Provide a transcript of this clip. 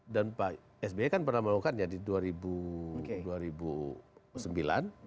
dan pak sbi kan pernah melakukan di dua ribu sembilan dan dua ribu